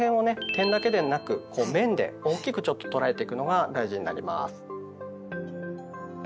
点だけでなく面で大きくちょっと捉えていくのが大事になります。